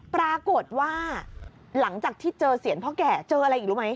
ปรากฏว่าหลังจากที่เจอเสียงพ่อแก่เจออะไรอีกรู้ไหม